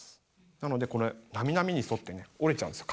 なのでこれなみなみにそってね折れちゃうんですよ